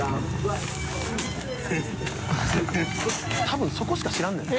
多分そこしか知らんねん。